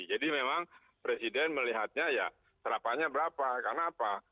jadi memang presiden melihatnya ya serapannya berapa karena apa